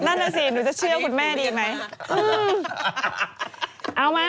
โหนั่นแหละสิหนูจะเชื่อคุณแม่ดีมั้ย